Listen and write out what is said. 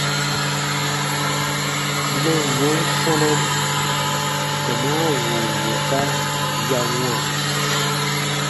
Mɛnnɔn sanam sɔmaa wùu wùuka ya wãa.